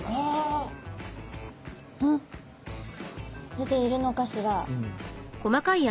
出ているのかしら？